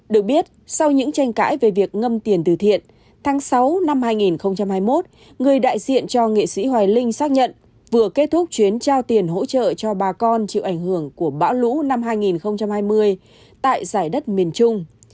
được biết sau những tranh cãi về việc ngâm tiền từ thiện tháng sáu năm hai nghìn hai mươi một người đại diện cho nghệ sĩ hoài linh xác nhận vừa kết thúc chuyến trao tiền hỗ trợ cho bà con chịu ảnh hưởng của bão lũ năm hai nghìn hai mươi tại giải đất miền trung